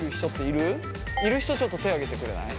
いる人ちょっと手を挙げてくれない？